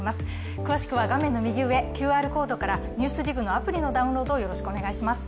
詳しくは画面の右上、ＱＲコードから「ＮＥＷＳＤＩＧ」のアプリのダウンロードお願いします。